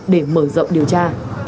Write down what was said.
để mở rộng điều tra